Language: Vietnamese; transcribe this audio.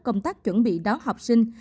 công tác chuẩn bị đón học sinh